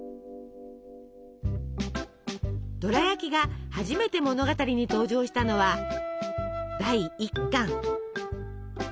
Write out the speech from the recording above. ドラやきが初めて物語に登場したのは第１巻。